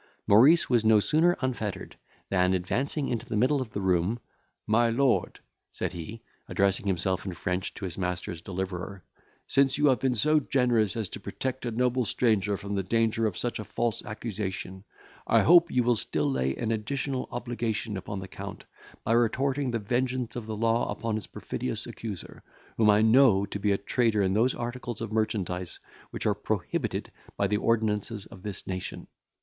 Maurice was no sooner unfettered, than, advancing into the middle of the room, "My lord," said he, addressing himself in French to his master's deliverer, "since you have been so generous as to protect a noble stranger from the danger of such a false accusation, I hope you will still lay an additional obligation upon the Count, by retorting the vengeance of the law upon his perfidious accuser, whom I know to be a trader in those articles of merchandise which are prohibited by the ordinances of this nation.